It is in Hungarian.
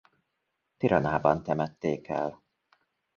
Tiranában temették el.